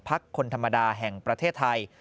คนธรรมดาแห่งประเทศไทย